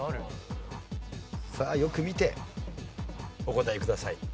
さあよく見てお答えください。